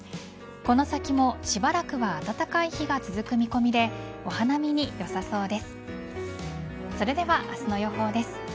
この先もしばらくは暖かい日が続く見込みでお花見によさそうです。